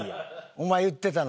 お前言ってたの。